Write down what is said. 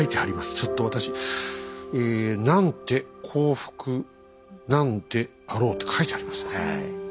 ちょっと私「何ンテ幸福ナノデアロウ」って書いてありますね。